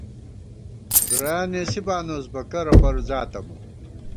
دُریاں نېسی بانوس بہ کرہ پَرُوزاتہ مو